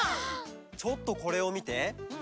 ちょっとこれをみて。